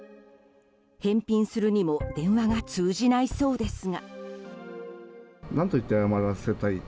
返品するにも電話が通じないそうですが。